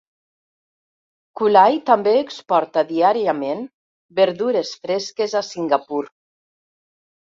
Kulai també exporta diàriament verdures fresques a Singapur.